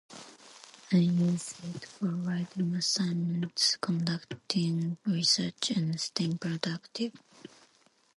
I use it for writing assignments, conducting research, and staying productive.